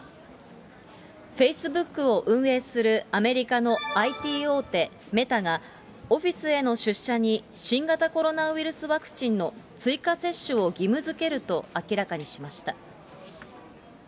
フェイスブックを運営するアメリカのＩＴ大手、メタが、オフィスへの出社に新型コロナウイルスワクチンの追加接種を義務づけると明らかにしました。